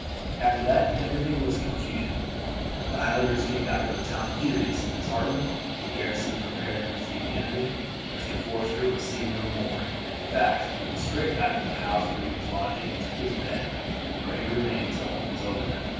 "After that everything was confusion; the Highlanders came back into the town furious and disheartened. The garrison prepared to receive the enemy. Mr. Forster was seen no more, and in fact he went straight back to the house where he was lodging and took his bed, where he remained till all was over.